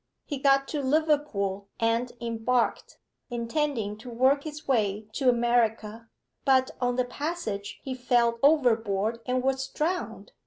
He got to Liverpool and embarked, intending to work his way to America, but on the passage he fell overboard and was drowned.